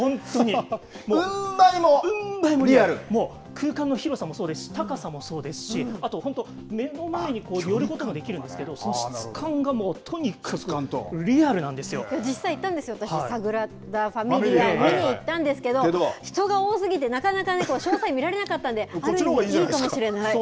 うん倍も、空間そうですし、そうですし、高さもそうですし、あと本当、目の前に寄ることもできるんですけど、その質感がとにかくリアルなんで実際、行ったんですよ、私、サグラダ・ファミリア見に行ったんですけど、人が多すぎてなかなかね、詳細見られなかったんで、ある意味いいかもしれない。